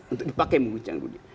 untuk dipakai mengguncang dunia